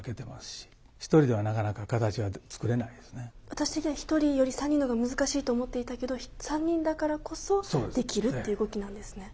私的には１人より３人の方が難しいと思っていたけど３人だからこそできるっていう動きなんですね。